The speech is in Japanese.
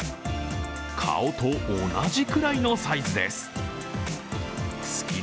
顔と同じくらいのサイズです。